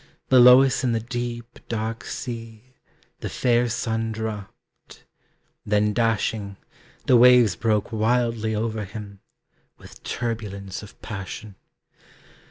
Below us in the deep, dark sea, The fair sun dropped; then dashing, The waves broke wildly over him, With turbulence of passion.